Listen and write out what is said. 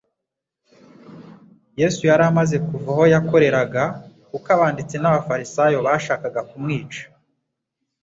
Yesu yari amaze kuva aho yakoreraga kuko abanditsi n'abafarisayo bashakaga kumwica.